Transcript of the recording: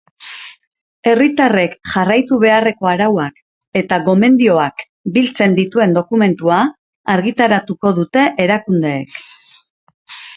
Herritarrek jarraitu beharreko arauak eta gomendioak biltzen dituen dokumentua argitaratuko dute erakundeek.